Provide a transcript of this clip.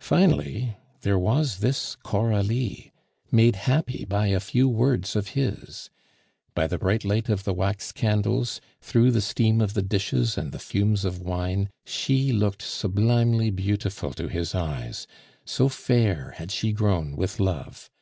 Finally, there was this Coralie, made happy by a few words of his. By the bright light of the wax candles, through the steam of the dishes and the fumes of wine, she looked sublimely beautiful to his eyes, so fair had she grown with love.